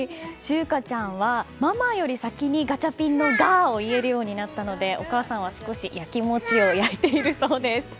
柊花ちゃんは「ママ」より先にガチャピンの「ガ」を言えるようになったのでお母さんは少しやきもちをやいているようです。